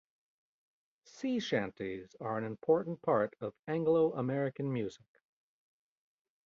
Sea shanties are an important part of Anglo-American music.